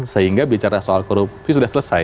sehingga bicara soal korupsi sudah selesai